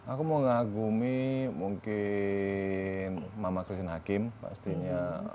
aku mau ngagumi mungkin mama christine hakim pastinya